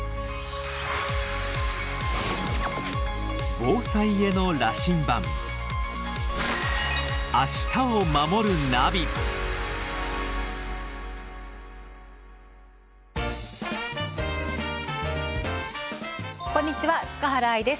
防災への羅針盤こんにちは塚原愛です。